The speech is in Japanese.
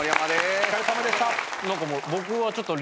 お疲れさまでした。